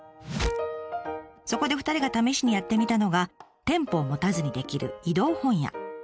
そこで２人が試しにやってみたのが店舗を持たずにできる移動本屋。